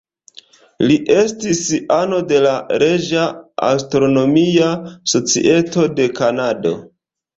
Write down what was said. Li estis ano de la Reĝa astronomia societo de Kanado.